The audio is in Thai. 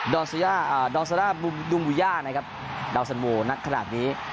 ดอนซาร่าดุงบูย่านะครับดาวสันโมนักขนาดนี้